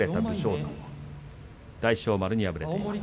山大翔丸に敗れています。